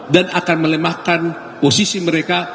dan akan melemahkan posisi mereka